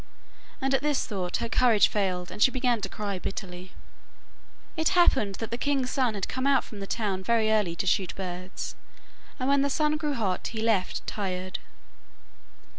And at this thought her courage failed, and she began to cry bitterly. It happened that the king's son had come out from the town very early to shoot birds, and when the sun grew hot he left tired.